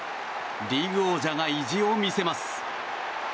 リーグ王者が意地を見せます。